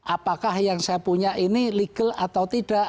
apakah yang saya punya ini legal atau tidak